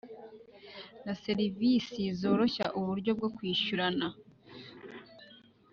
na serivisi zoroshya uburyo bwo kwishyurana